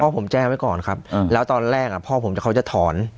ผมแจ้งไว้ก่อนครับแล้วตอนแรกพ่อผมเดี๋ยวเขาจะถอน